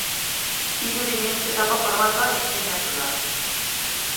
Hiru dimentsiotako formatoan estreinatu da.